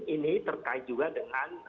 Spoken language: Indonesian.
ini terkait juga dengan